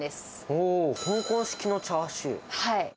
おー、香港式のチャーシュー。